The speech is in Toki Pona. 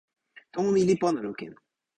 tomo mi li pona lukin.